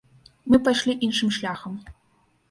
Мы пайшлі іншым шляхам.